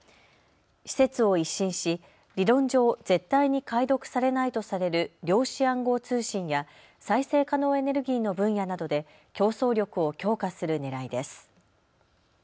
施設を一新し理論上、絶対に解読されないとされる量子暗号通信や再生可能エネルギーの分野などで競争力を強化するねらいです。